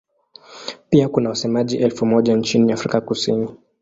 Pia kuna wasemaji elfu moja nchini Afrika Kusini.